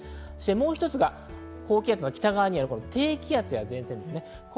もう一つが高気圧の北側にある低気圧や前線です。